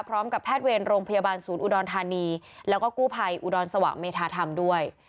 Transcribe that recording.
พร้อมกับแพทย์เวรโรงพยาบาลศูนย์อุดรธานีแล้วก็กู้ภัยอุดรสวะเมธาธรรมด้วย